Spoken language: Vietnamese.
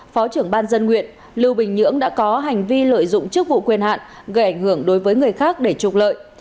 phó trưởng ban dân nguyện lưu bình nhưỡng đã có hành vi lợi dụng chức vụ quyền hạn gây ảnh hưởng đối với người khác để trục lợi